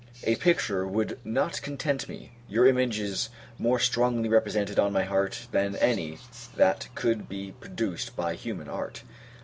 A picture would not content me; your image is more strongly represented on my heart, than any that could be produced by human art.